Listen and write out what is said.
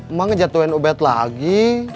emak ngejatuhin ubet lagi